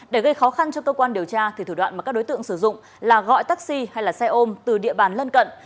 để gây khó khăn cho cơ quan điều tra thì thủ đoạn mà các đối tượng sử dụng là gọi taxi hay xe ôm từ địa bàn lân cận